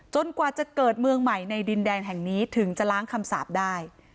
กว่าจะเกิดเมืองใหม่ในดินแดงแห่งนี้ถึงจะล้างคำสาปได้